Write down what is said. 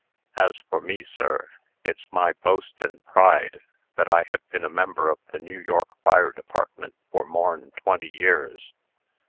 As for me, sir, it's my boast and pride that I have been a member of the New York Fire Department for more'n twenty years.